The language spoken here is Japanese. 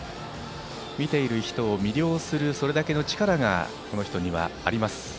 見ている人を魅了するそれだけの力がこの人にはあります。